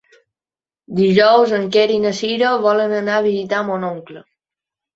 Dijous en Quer i na Cira volen anar a visitar mon oncle.